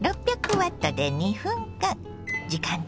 ６００Ｗで２分間。